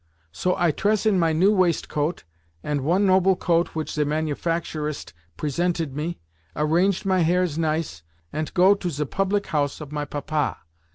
So I tress in my new waistcoat and one noble coat which ze manufacturist presented me, arranged my hairs nice, ant go to ze public house of my Papa.